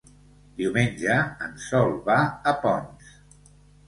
Diumenge en Sol va a Ponts.